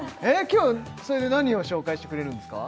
今日それで何を紹介してくれるんですか？